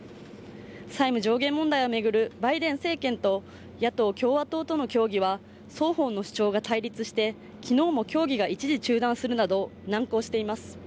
債務上限問題を巡るバイデン政権と野党・共和党との協議は、双方の主張が対立して昨日も協議が一時中断するなど、難航しています。